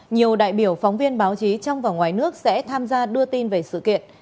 nhiều đại biểu phóng viên báo chí trong và ngoài nước sẽ tham gia đưa tin về sự kiện